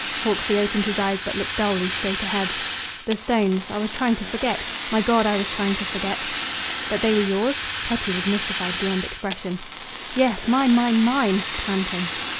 Hawksley opened his eyes, but looked dully straight ahead. "The stones! I was trying to forget! My God, I was trying to forget!" "But they were yours?" Cutty was mystified beyond expression. "Yes, mine, mine, mine!" panting.